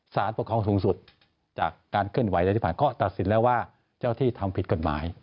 สารปกครองสูงสุดจากการเคลื่อนไหวอะไรที่ผ่านมาก็ตัดสินแล้วว่าเจ้าที่ทำผิดกฎหมาย